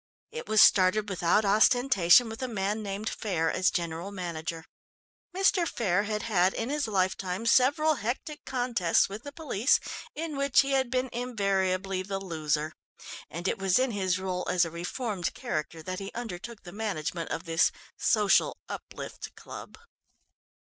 It was started without ostentation with a man named Faire as general manager. Mr. Faire had had in his lifetime several hectic contests with the police, in which he had been invariably the loser. And it was in his role as a reformed character that he undertook the management of this social uplift club.